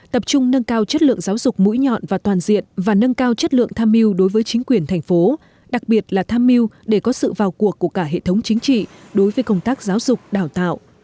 tập trung nâng cao chất lượng giáo dục mũi nhọn và toàn diện và nâng cao chất lượng tham mưu đối với chính quyền thành phố đặc biệt là tham mưu để có sự vào cuộc của cả hệ thống chính trị đối với công tác giáo dục đào tạo